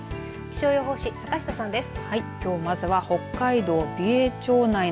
気象予報士、坂下さんです。